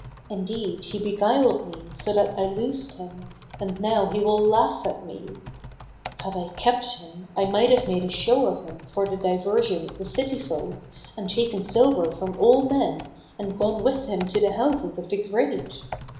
Indeed, he beguiled me, so that I loosed him, and now he will laugh at me.[FN#245] Had I kept him, I might have made a show of him for the diversion of the city folk and taken silver from all men and gone with him to the houses of the great."